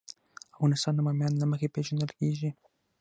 افغانستان د بامیان له مخې پېژندل کېږي.